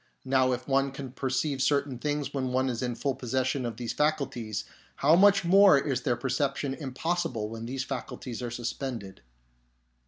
Now, if one can perceive certain things when one is in full possession of these faculties, how much more is their perception impossible when these faculties are suspended."